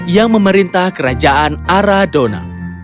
yang memerintah kerajaan aradona